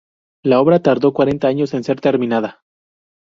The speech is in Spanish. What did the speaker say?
La obra tardó cuarenta años en ser terminada.